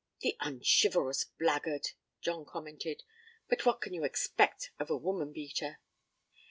(The unchivalrous blackguard,' John commented. 'But what can be expected of a woman beater?')